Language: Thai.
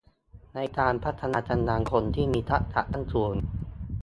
ในการพัฒนากำลังคนที่มีทักษะขั้นสูง